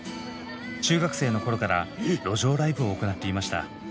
中学生の頃から路上ライブを行っていました。